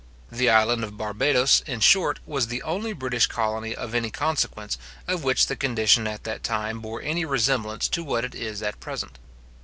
The island of Barbadoes, in short, was the only British colony of any consequence, of which the condition at that time bore any resemblance to what it is at present.